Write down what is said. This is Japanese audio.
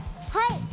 はい！